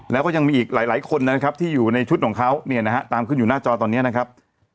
แล้วก็ยังมีอีกหลายคนนะครับที่อยู่ในชุดของเขาเนี่ยนะฮะตามขึ้นอยู่หน้าจอตอนนี้นะครับ